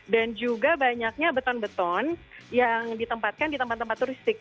dan juga banyaknya beton beton yang ditempatkan di tempat tempat turistik